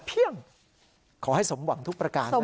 เพี้ยงขอให้สมหวังทุกประการนะฮะ